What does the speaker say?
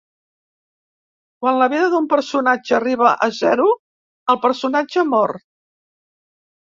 Quan la vida d'un personatge arriba a zero, el personatge mor.